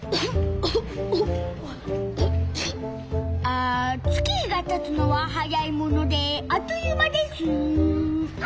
あ月日がたつのははやいものであっという間です。